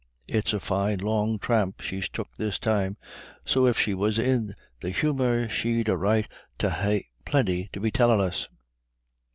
It's a fine long tramp she's took this time; so if she was in the humour she'd a right to ha' plinty to be tellin' us."